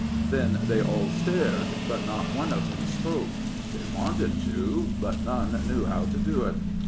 Then they all stared, but not one of them spoke; they wanted to, but none knew how to do it.